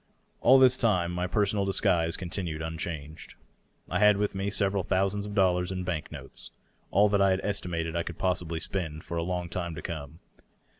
All this time my per sonal disguise continued unchanged. I had with me several thousands of dollars in bank notes — all that I had estimated I could possibly spend for a long time to come.